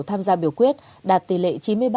tham gia biểu quyết đạt tỷ lệ